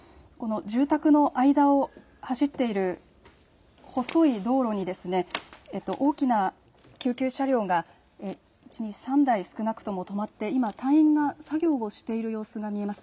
住宅の間を走っている細い道路に大きな救急車両が３台少なくとも止まって今、隊員が作業をしている様子が見えます。